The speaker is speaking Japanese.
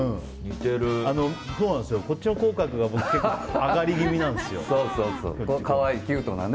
こっちの口角が上がり気味なんですよ。